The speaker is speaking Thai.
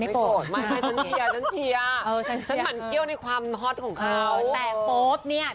ไม่ฉันเชียร์ฉันหมั่นเกี้ยวในความฮอตของเขา